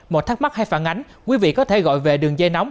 một thắc mắc hay phản ánh quý vị có thể gọi về đường dây nóng